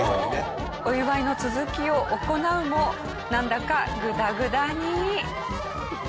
お祝いの続きを行うもなんだかグダグダに。